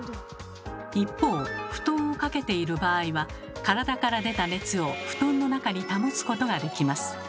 一方布団をかけている場合は体から出た熱を布団の中に保つことができます。